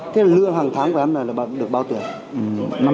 thế lương hàng tháng của em là được bao tiền